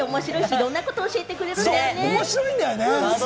いろんなこと教えてくれるんだよね。